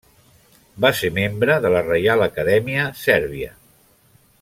Va ser membre de Reial Acadèmia Sèrbia.